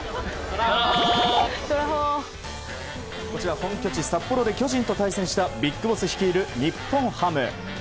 こちら本拠地・札幌で巨人と対戦したＢＩＧＢＯＳＳ率いる日本ハム。